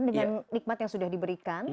dengan nikmat yang sudah diberikan